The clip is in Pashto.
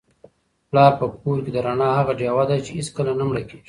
پلار په کور کي د رڼا هغه ډېوه ده چي هیڅکله نه مړه کیږي.